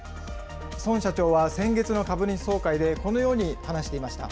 孫社長は先月の株主総会でこのように話していました。